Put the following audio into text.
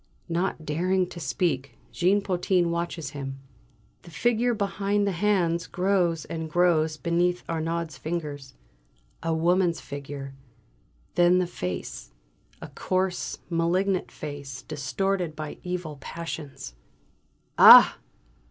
Not daring to speak, Jean Potin watches him. The figure behind the hands grows and grows beneath Arnaud's fingers. A woman's figure! Then the face: a coarse, malignant face, distorted by evil passions. "Ah!"